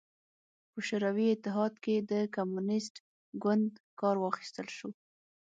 په شوروي اتحاد کې د کمونېست ګوند کار واخیستل شو.